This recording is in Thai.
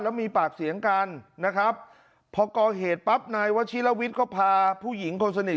แล้วมีปากเสียงกันนะครับพอก่อเหตุปั๊บนายวชิลวิทย์ก็พาผู้หญิงคนสนิท